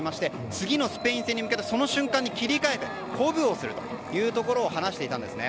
次のスペイン戦に向けてその瞬間に切り替えて鼓舞をするというところを話していたんですね。